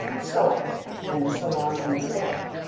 And so on. And so on and so on.